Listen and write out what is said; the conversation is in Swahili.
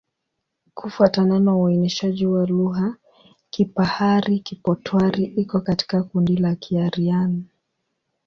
Kufuatana na uainishaji wa lugha, Kipahari-Kipotwari iko katika kundi la Kiaryan.